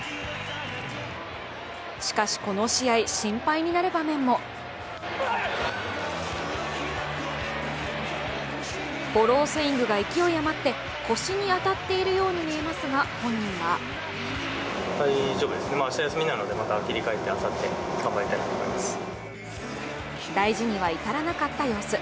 しかし、この試合、心配になる場面もフォロースイングが勢い余って腰に当たっているように見えますが、本人は大事には至らなかった様子。